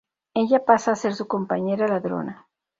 Ella pasa a ser su compañera ladrona.